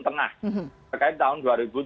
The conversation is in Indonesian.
tengah terkait tahun dua ribu tujuh belas